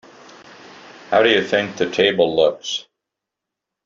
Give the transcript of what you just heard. How do you think the table looks?